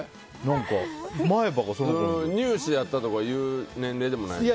乳歯やったとかいう年齢でもないですか。